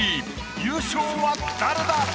優勝は誰だ？